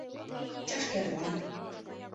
Чашкерла.